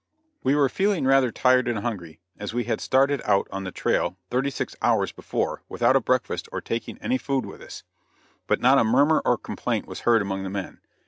We were feeling rather tired and hungry, as we had started out on the trail thirty six hours before without a breakfast or taking any food with us; but not a murmur or complaint was heard among the men.